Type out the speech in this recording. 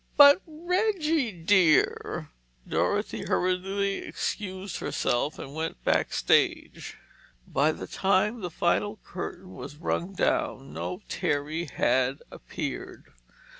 "But, Reggie dear—" Dorothy hurriedly excused herself and went back stage. But by the time the final curtain was rung down, no Terry had appeared.